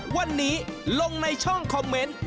วันนี้ลงในช่องคอมเมนต์